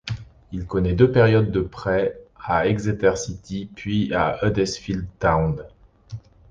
Il connaît deux périodes de prêt à Exeter City puis à Huddesfield Town.